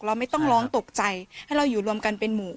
เราไม่ต้องร้องตกใจให้เราอยู่รวมกันเป็นหมู่